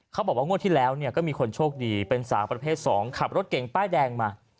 เขาบอกว่างวดที่แล้วก็มีคนโชคดีเป็นสาวประเภท๒ขับรถเก่งป้ายแดงมา